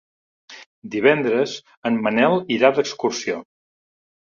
Divendres en Manel irà d'excursió.